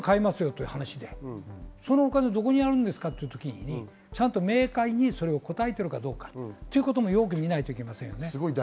そのお金どこにあるんですかというときに明快に答えているかどうかということもよく見ないといけません。